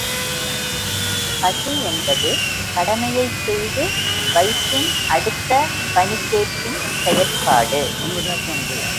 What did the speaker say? பசி என்பது கடமையைச் செய்து வயிற்றின் அடுத்த பணிக்கேட்பின் செயற்பாடு.